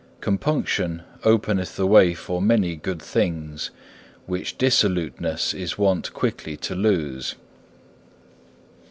Compunction openeth the way for many good things, which dissoluteness is wont quickly to lose.